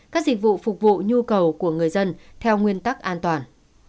các dịch vụ phục vụ nhu cầu của người dân theo nguyên tắc an toàn